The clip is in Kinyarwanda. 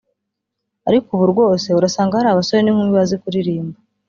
ariko ubu rwose urasanga hari abasore n’inkumi bazi kuririmba